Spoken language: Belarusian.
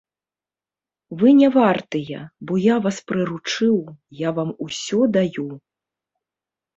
Вы не вартыя, бо я вас прыручыў, я вам усё даю.